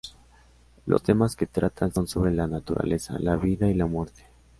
Los temas que tratan son sobre la naturaleza, la vida y la muerte.